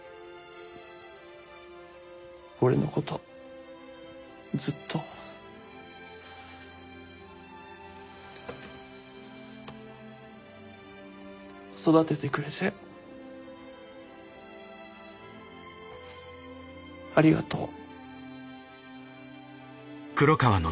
俺のことずっと育ててくれてありがとう。